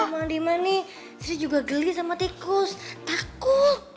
ya udah bang diman nih saya juga geli sama tikus takut